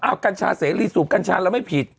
อ้าวกัญชาเสรีสูบกัญชาแล้วไม่ผิด